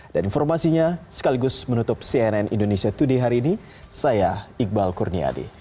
dan informasinya sekaligus menutup cnn indonesia today hari ini saya iqbal kurniadi